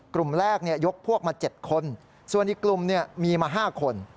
กลุ่มแรกเนี่ยยกพวกมา๗คนส่วนอีกกลุ่มเนี่ยมีมา๕คน